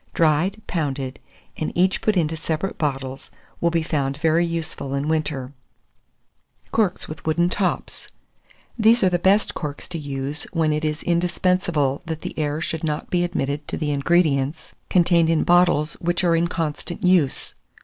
dried, pounded, and each put into separate bottles, will be found very useful in winter. [Illustration: CORK WITH WOODEN TOP.] CORKS WITH WOODEN TOPS. These are the best corks to use when it is indispensable that the air should not be admitted to the ingredients contained in bottles which are in constant use.